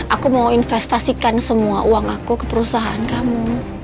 aku mau investasikan semua uang aku ke perusahaan kamu